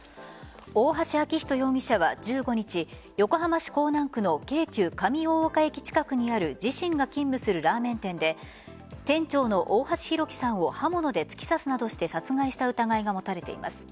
大橋昭仁容疑者は１５日横浜市港南区の京急・上大岡駅近くにある自身が勤務するラーメン店で店長の大橋弘輝さんを刃物で突き刺すなどして殺害した疑いが持たれています。